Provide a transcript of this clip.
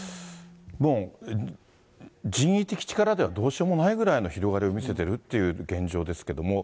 もう人為的力ではどうしようもないぐらいの広がりを見せてるっていう現状ですけども。